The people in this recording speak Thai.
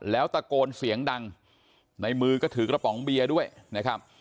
แล้วตะโกนเสียงดังในมือก็ถือกระป๋องเบียร์ด้วยนะครับ